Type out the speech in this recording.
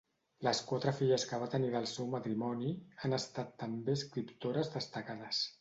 Les quatre filles que va tenir del seu matrimoni han estat també escriptores destacades.